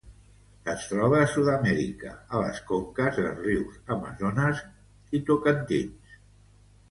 Es troba a Sud-amèrica, a les conques dels rius Amazones i Tocantins.